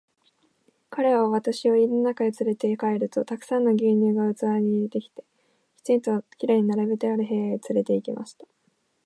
彼は私を家の中へつれて帰ると、たくさんの牛乳が器に入れて、きちんと綺麗に並べてある部屋へつれて行きました。